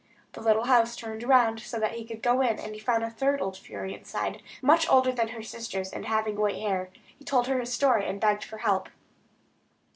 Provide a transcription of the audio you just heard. The little house turned round, so that he could go in, and he found a third old fury inside; much older than her sisters, and having white hair. He told her his story, and begged for help.